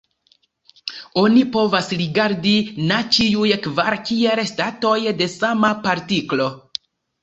Oni povas rigardi na ĉiuj kvar kiel statoj de sama partiklo.